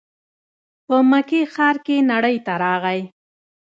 په مکې ښار کې نړۍ ته راغی.